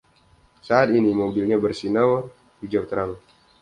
Saat ini, mobilnya bersinar hijau terang.